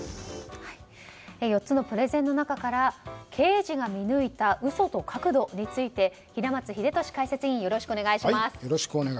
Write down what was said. ４つのプレゼンの中から刑事が見抜いた嘘と角度について平松秀敏解説委員お願いします。